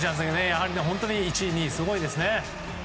やはり本当に１位、２位すごいですね。